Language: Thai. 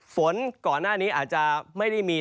ฝนก่อนหน้านี้อาจจะไม่ได้มี